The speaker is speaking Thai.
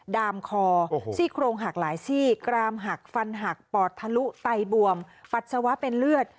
ดามคอซี่โครงหักหลายซี่กรามหักฟันหักปอดทะลุไตบวมปัสสาวะเป็นเลือด